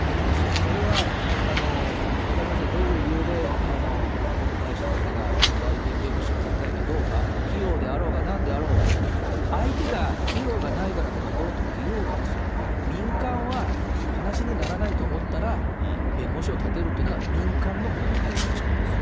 それは分かりません、どういう理由で、元婚約者の方が代理人弁護士を立てないかどうか、費用であろうがなんであろうが、相手が費用がないからとかどうとか言おうが、民間は、話にならないと思ったら、弁護士を立てるっていうのが民間のものの解決のしかたです。